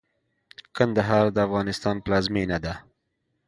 د کندهار د افغانستان پلازمېنه ده.